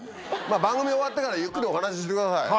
番組終わってからゆっくりお話してください。